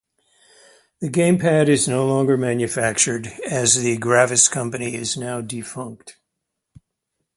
The gamepad is no longer manufactured, as the Gravis company is now defunct.